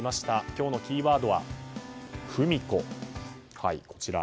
今日のキーワード、フミコ。